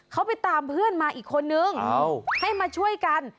เขาไปตามเพื่อนมาอีกคนนึงให้มาช่วยกัน